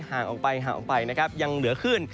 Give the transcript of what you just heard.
ห่างออกไปนะครับยังเหลือคลื่น